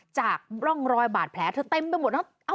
จากร่องรอยบาดแผลเธอเต็มไปหมดเนอะ